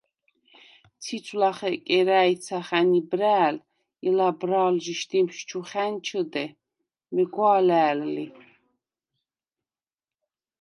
ციცვ ლახე კერა̄̈ჲცახა̈ნ იბრა̄̈ლ ი ლაბრა̄ლჟი შდიმს ჩუ ხა̈ნჩჷდე, მეგვა̄ლა̈ლ ლი.